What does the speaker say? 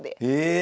え！